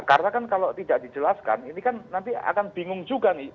karena kan kalau tidak dijelaskan ini kan nanti akan bingung juga nih